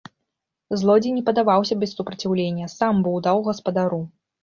Злодзей не падаваўся без супраціўлення, сам быў даў гаспадару.